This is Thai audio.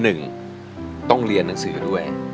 หนึ่งต้องเรียนหนังสือด้วย